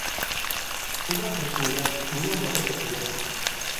شۇنداق بىر كۈندە كۈننىڭ نۇرى ئۆچىدۇ.